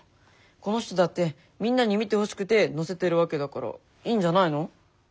この人だってみんなに見てほしくて載せてるわけだからいいんじゃないの？